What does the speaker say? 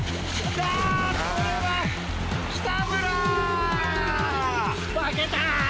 あぁこれは。負けた。